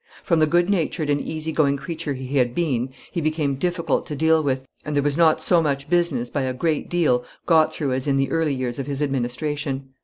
From the good natured and easy going creature he had been, he became difficult to deal with, and there was not so much business, by a great deal, got through as in the early years of his administration."